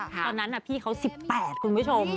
ตอนนั้นพี่เขา๑๘คุณผู้ชม